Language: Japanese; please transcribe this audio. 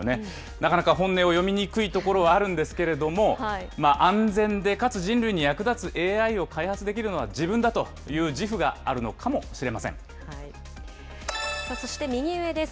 なかなか本音を読みにくいところはあるんですけれども、安全でかつ人類に役立つＡＩを開発できるのは自分だという自負がそして右上です。